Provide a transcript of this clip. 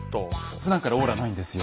ふだんからオーラないんですよ。